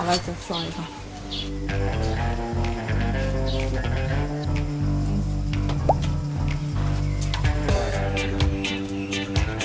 ก็จัดสร้อยค่ะ